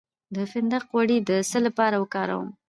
د فندق غوړي د څه لپاره وکاروم؟